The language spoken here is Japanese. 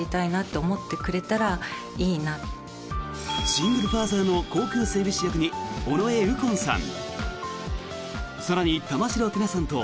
シングルファザーの航空整備士役に尾上右近さん。